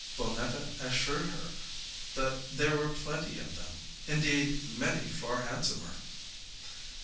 Bonnetta assured her that there were plenty of them; indeed, many far handsomer.